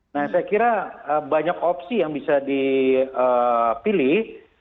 nah saya kira banyak opsi yang bisa dipilih